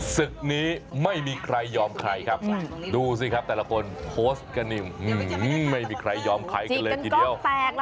ศึกนี้ไม่มีใครยอมใครครับดูสิครับแต่ละคนโพสต์กันนี่ไม่มีใครยอมใครกันเลยทีเดียว